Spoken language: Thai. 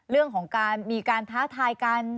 เรื่องของมีการท้าทายการ